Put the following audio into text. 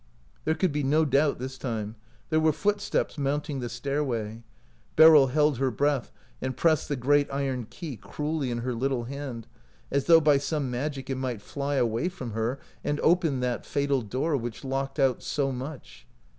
There could be no doubt this time ; there were footsteps mounting the stairway. Beryl held her breath and pressed the great iron key cruelly in her little hand, as though by some magic it might fly away from her and open that fatal door, which locked out so much.